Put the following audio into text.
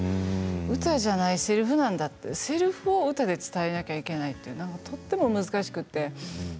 歌じゃないせりふなんだとせりふを歌で伝えなきゃいけないというとても難しくて。